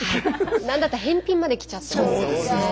何だったら返品まできちゃってます。